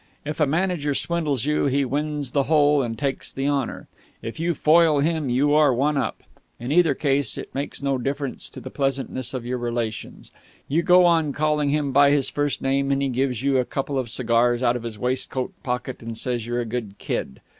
If a manager swindles you, he wins the hole and takes the honour. If you foil him, you are one up. In either case, it makes no difference to the pleasantness of your relations. You go on calling him by his first name, and he gives you a couple of cigars out of his waistcoat pocket and says you're a good kid.